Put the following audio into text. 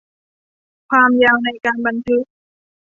ความยาวในการบันทึก